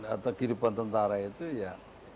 atau kehidupan tentara itu ya